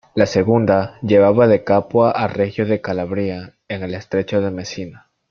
La segunda llevaba de Capua a Regio de Calabria en el estrecho de Mesina.